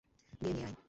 গিয়ে নিয়ে আয়।